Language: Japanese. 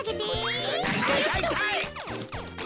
いたいいたいいたい！